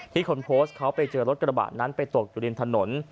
คนโพสต์เขาไปเจอรถกระบะนั้นไปตกอยู่ริมถนน